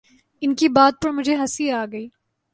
ان کی بات پر مجھے ہنسی آ گئی